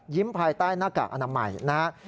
ยิ้มภายใต้หน้ากากอนามใหม่นะครับ